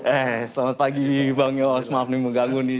eh selamat pagi bang yos maaf nih mengganggu nih